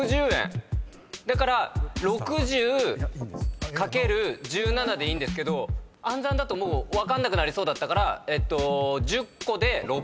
だから６０×１７でいいんですけど暗算だと分かんなくなりそうだったから。